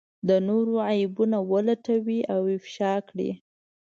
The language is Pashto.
د نورو عيبونه ولټوي او افشا کړي.